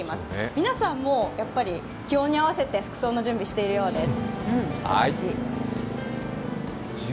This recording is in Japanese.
皆さん気温に合わせて服装の準備しているようです。